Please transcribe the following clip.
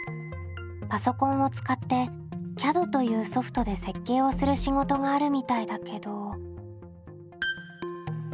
パソコンを使ってＣＡＤというソフトで設計をする仕事があるみたいだけど。